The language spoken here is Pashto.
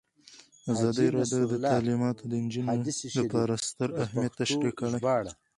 ازادي راډیو د تعلیمات د نجونو لپاره ستر اهميت تشریح کړی.